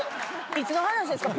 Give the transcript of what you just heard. いつの話ですか？